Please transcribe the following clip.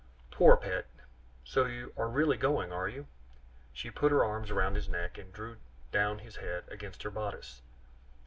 "Poor pet! so you are really going, are you?" she said. She put her arms round his neck, and drew down his head against her bodice.